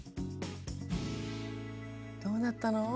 どうなったの？